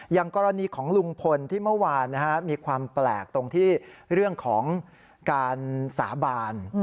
อย่างกรณีของลุงพลที่เมื่อวานมีความแปลกตรงที่เรื่องของการสาบาน